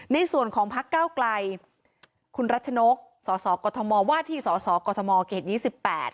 ในส่วนของพักก้าวไกลคุณรัชนกษ์สอสอกธมวาที่สอสอกธมวิทยาลัย๒๘